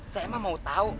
saya mah mau tau